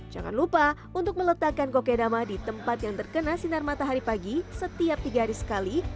jangan lupa untuk meletakkan kokedama di tempat yang terkena sinar matahari pagi setiap tiga hari sekali